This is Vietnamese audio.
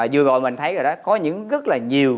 vừa rồi mình thấy rồi đó có những rất là nhiều